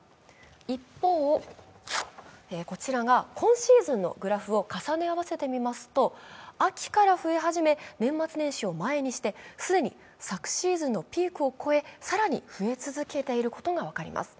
一方、こちらが今シーズンのグラフを重ね合わせてみますと、秋から冬初め、年末年始を前にして既に昨シーズンのピークを超え更に増え続けていることが分かります。